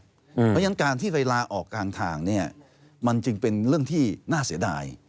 เพราะฉะนั้นการที่ไปลาออกกลางทางเนี่ยมันจึงเป็นเรื่องที่น่าเสียดาย